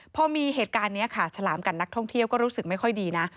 พอมีเหตุการณ์นี้ค่ะฉลามกันนักท่องเที่ยวก็รู้สึกไม่ค่อยดีนะ